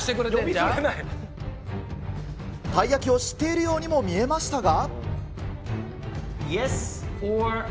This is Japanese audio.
たい焼きを知っているようにも見えましたが。